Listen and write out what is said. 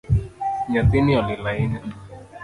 Nyathini olil ahinya